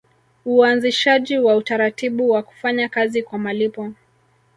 Uanzishaji wa utaratibu wa kufanya kazi kwa malipo